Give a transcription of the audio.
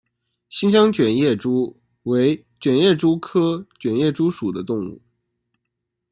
新疆卷叶蛛为卷叶蛛科卷叶蛛属的动物。